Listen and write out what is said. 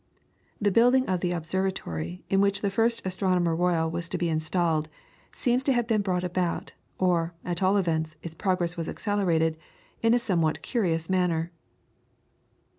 The building of the observatory, in which the first Astronomer Royal was to be installed, seems to have been brought about, or, at all events, its progress was accelerated, in a somewhat curious manner.